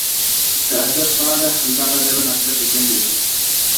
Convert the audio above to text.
د ارزښت پر اړه همدغه زړه نازړه کیدل وي